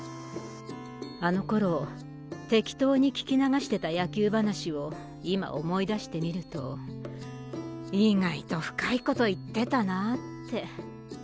あの頃適当に聞き流してた野球話を今思い出してみると意外と深いこと言ってたなぁって。